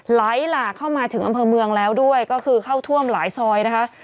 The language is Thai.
ไหลหลากเข้ามาถึงอำเภอเมืองแล้วด้วยก็คือเข้าท่วมหลายซอยนะคะ